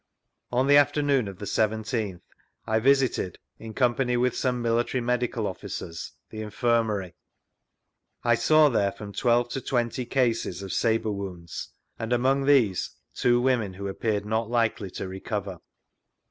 On the afternoon of the 17th I visited, in company with some military medical officers, the Infirmary. I saw there from twelve to twenty cases vGoogIc 58 THREE ACCOUNTS OF PETERLOO of sabre wounds, and among these two women who appeared not likely to recover.